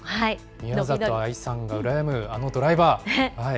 宮里藍さんが羨む、あのドライバー。